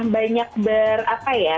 banyak berapa ya